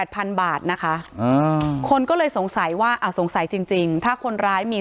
พันบาทนะคะคนก็เลยสงสัยว่าสงสัยจริงถ้าคนร้ายมี